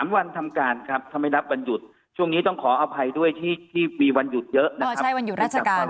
วันทำการครับถ้าไม่นับวันหยุดช่วงนี้ต้องขออภัยด้วยที่มีวันหยุดเยอะนะครับ